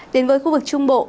đến với khu vực trung bộ